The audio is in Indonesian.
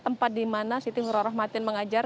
tempat di mana siti nurror rahmatin mengajar